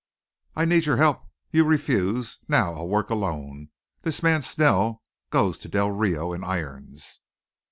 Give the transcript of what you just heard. "I need your help. You refuse. Now, I'll work alone. This man Snell goes to Del Rio in irons."